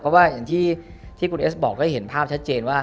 เพราะว่าอย่างที่คุณเอสบอกก็เห็นภาพชัดเจนว่า